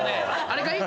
あれかい？